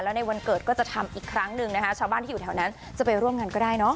แล้วในวันเกิดก็จะทำอีกครั้งหนึ่งนะคะชาวบ้านที่อยู่แถวนั้นจะไปร่วมงานก็ได้เนอะ